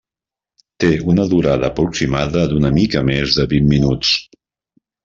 Té una durada aproximada d'una mica més de vint minuts.